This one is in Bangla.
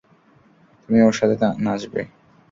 তুমি ওর সাথে নাচবে।